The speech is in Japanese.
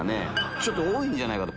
ちょっと多いんじゃないかと。